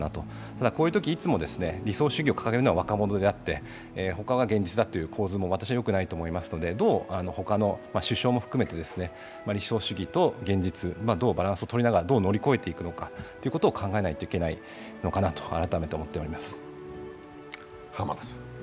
ただ、こういうとき、いつも理想主義を掲げるのは若者であって、他は現実だという構図は私はよくないと思いますので、どう他の、首相も含めて、理想主義と現実、どうバランスをとりながらということを考えていかなければいけないと改めて思っております。